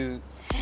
え